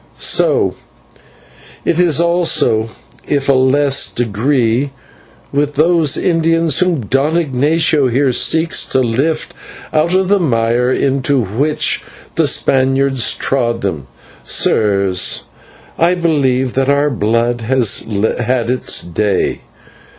So it is also, if in a less degree, with those Indians whom Don Ignatio here seeks to lift out of the mire into which the Spanish trod them. Sirs, I believe that our blood has had its day.